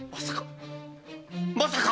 まさか